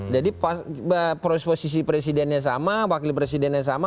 jadi posisi presidennya sama wakil presidennya sama